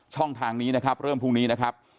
ช่องทางนี้นะครับเริ่มพรุ่งนี้นะครับ